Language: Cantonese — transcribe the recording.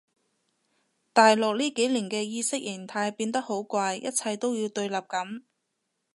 大陸呢幾年嘅意識形態變得好怪一切都要對立噉